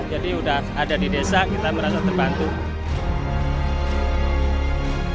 jadi sudah ada di desa kita merasa terbantu